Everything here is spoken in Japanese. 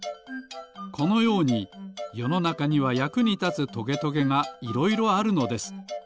このようによのなかにはやくにたつトゲトゲがいろいろあるのです。